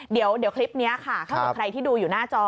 เดี๋ยวคลิปนี้ค่ะถ้าเกิดใครที่ดูอยู่หน้าจอ